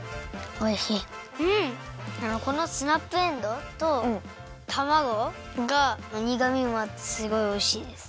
あのこのスナップエンドウとたまごがにがみもあってすごいおいしいです。